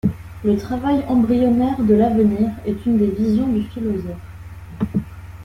Le travail embryonnaire de l’avenir est une des visions du philosophe.